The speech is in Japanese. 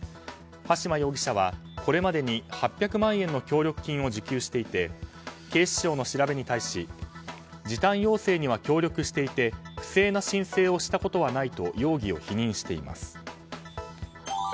羽島容疑者はこれまでに８００万円の協力金を受給していて警視庁の調べに対し時短要請には協力していて不正な申請をしたことはないと容疑を否認しています。